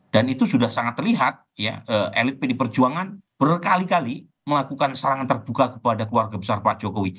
dan itu sudah sangat terlihat ya elit pdi perjuangan berkali kali melakukan serangan terbuka kepada keluarga besar pak jokowi